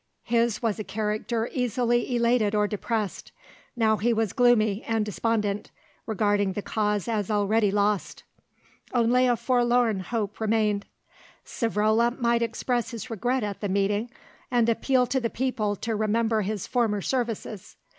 His was a character easily elated or depressed. Now he was gloomy and despondent, regarding the cause as already lost. Only a forlorn hope remained; Savrola might express his regret at the meeting, and appeal to the people to remember his former services.